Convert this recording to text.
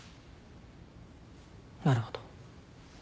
なるほど。